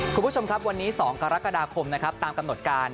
คุณผู้ชมครับวันนี้๒กรกฎาคมนะครับตามกำหนดการ